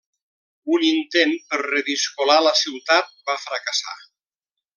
Un intent per reviscolar la ciutat va fracassar.